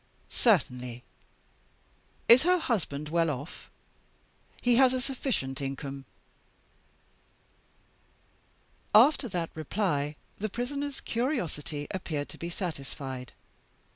"'Certainly!' "'Is her husband well off?' "'He has a sufficient income.' "After that reply, the Prisoner's curiosity appeared to be satisfied.